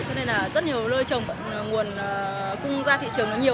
cho nên là rất nhiều lơi trồng bận nguồn cung ra thị trường nhiều